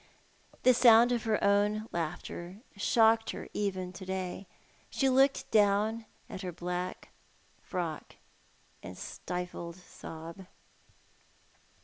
The sound of her own laughter shocked her even to day. She looked down at her black frock with a stifled sob.